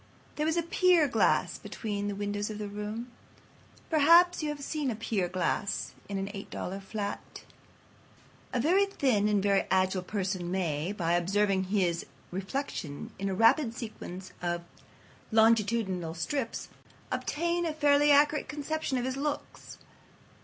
There was a pier glass between the windows of the room. Perhaps you have seen a pier glass in an $8 flat. A very thin and very agile person may, by observing his reflection in a rapid sequence of longitudinal strips, obtain a fairly accurate conception of his looks.